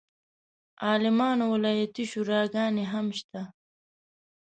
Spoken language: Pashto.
عالمانو ولایتي شوراګانې هم شته.